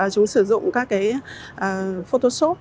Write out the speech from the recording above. chúng sử dụng các cái photoshop